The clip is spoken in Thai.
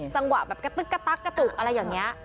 จังหวะแบบกระตึกอะไรอย่างนี้